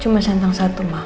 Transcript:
cuma sentang satu ma